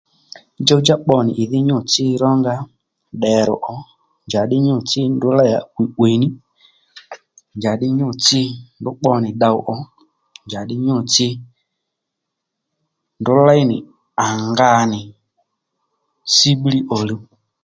Djow-djá pbo nì ìdhí nyû-tsi rónga ddèrr̀ ò njàddí nyû-tsi ndrǔ léy nì à 'wiy 'wìy ní njàddí nyû-tsi ndrǔ pbo nì tdow ò njàddí nyû-tsi ndrǔ léy nì à nga nì síbblí òluw